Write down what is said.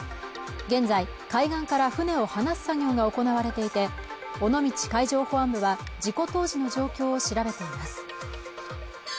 現在海岸から船を離す作業が行われていて尾道海上保安部は事故当時の状況を調べています